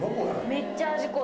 めっちゃ味濃い。